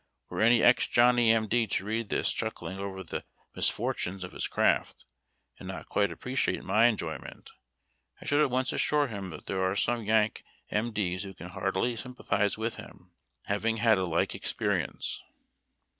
Were any ex Johnny m. d. to read this chuckling over the misfortunes of his craft, and not quite appreciate my enjoyment, I MtTLES LOADED WITH AMMUNITION. should at once assure him that there are some Yank m. d.'s who can heartily sympathize with him, having had a like experience.